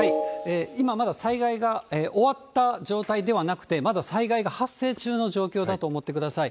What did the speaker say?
今まだ災害が終わった状態ではなくて、まだ災害が発生中の状況だと思ってください。